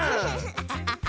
アハハハ！